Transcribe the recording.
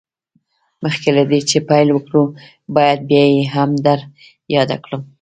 مخکې له دې چې پيل وکړو بايد بيا يې هم در ياده کړم.